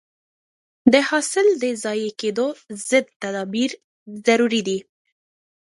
د حاصل د ضایع کېدو ضد تدابیر ضروري دي.